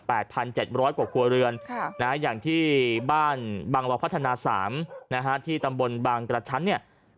พันเจ็ดร้อยกว่าครัวเรือนค่ะนะฮะอย่างที่บ้านบางรอพัฒนาสามนะฮะที่ตำบลบางกระชั้นเนี่ย